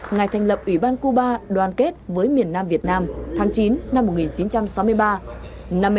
ngày thành lập ủy ban cuba đoàn kết với miền nam việt nam tháng chín năm một nghìn chín trăm sáu mươi ba